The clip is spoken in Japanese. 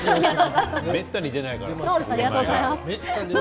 めったに出ないから。